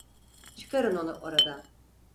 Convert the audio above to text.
Çıkarın onu oradan.